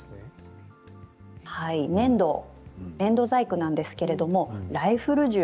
粘土細工なんですけれどライフル銃。